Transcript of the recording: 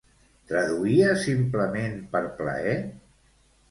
Traduïa simplement per plaer?